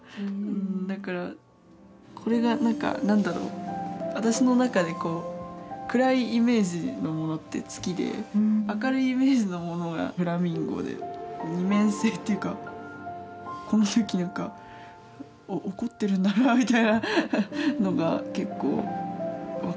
だからこれが何か何だろう私の中でこう暗いイメージのものって「月」で明るいイメージのものが「フラミンゴ」で二面性っていうかこの時何か怒ってるんだなあみたいなのが結構分かって。